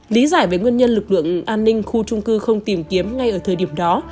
lý giải về nguyên nhân lực lượng an ninh khu trung cư không tìm kiếm ngay ở thời điểm đó